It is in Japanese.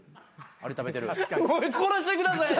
殺してください。